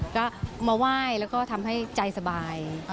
ก็มาไหว้แล้วก็ทำให้ใจสบาย